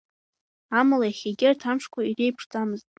Амала иахьа агьырҭ амшқәа иреиԥшӡамызт.